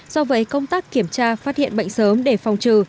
do vậy công tác kiểm tra phát hiện bệnh sớm để phòng trừ